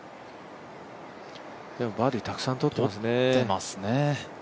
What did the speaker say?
でもバーディーたくさんとってますね。